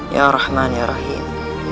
ya rahman ya rahim